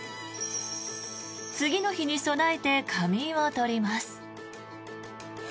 次の日に備えて仮眠を取ります。